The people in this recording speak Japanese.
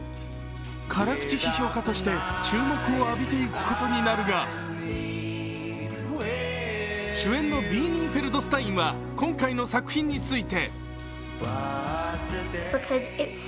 辛口批評家として注目を浴びていくことになるが主演のビーニー・フェルドスタインは今回の作品について。